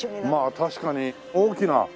まあ確かに大きな。